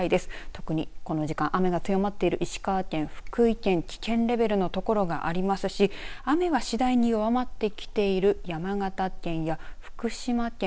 特に、この時間雨の強まっている石川県、福井県危険レベルの所がありますし雨は次第に弱まってきている山形県や福島県